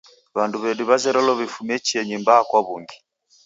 W'andu w'edu w'azerelo w'ifume chienyi mbaa kwa w'ungi.